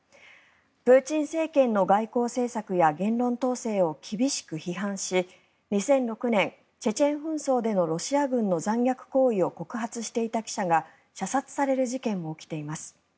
プーチン政権の外交政策や言論統制を厳しく批判し、２００６年チェチェン紛争でのロシア人の残虐行為を告発していた記者が射殺される事件も起きています。